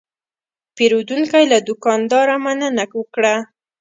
پیرودونکی له دوکاندار مننه وکړه.